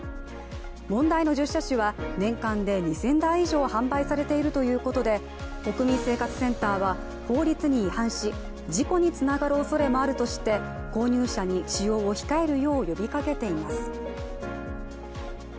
問題の１０車種は年間で２０００台以上販売されているということで国民生活センターは、法律に違反し事故につながるおそれもあるとして購入者に使用を控えるよう呼びかけています。